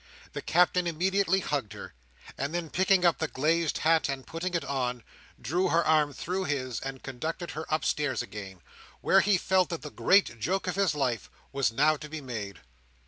The Captain immediately hugged her; and then, picking up the glazed hat and putting it on, drew her arm through his, and conducted her upstairs again; where he felt that the great joke of his life was now to be made.